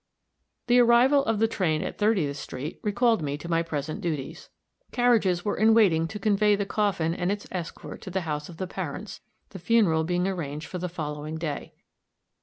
The arrival of the train at Thirtieth street recalled me to my present duties. Carriages were in waiting to convey the coffin and its escort to the house of the parents, the funeral being arranged for the following day.